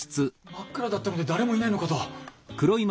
真っ暗だったので誰もいないのかと。